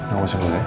aku langsung dulu ya